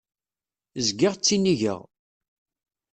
Zgiɣ ttinigeɣ.